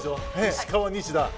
石川、西田。